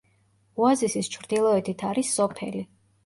ოაზისის ჩრდილოეთით არის სოფელი.